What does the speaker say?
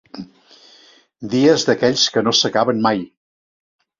Dies d'aquells que no s'acaben mai.